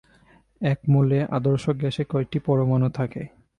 এক মোলে আদর্শ গ্যাসে কয়টি পরমাণু থাকে?